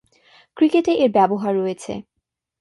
ক্রিকেটে এর ব্যবহার রয়েছে।